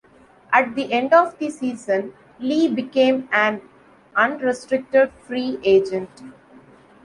At the end of the season, Lee became an unrestricted free agent.